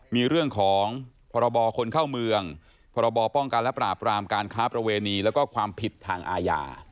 มีเรื่องของพรบคนเข้าเมืองพรบป้องกันและปราบรามการค้าประเวณีแล้วก็ความผิดทางอาญา